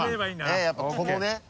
えぇやっぱこのね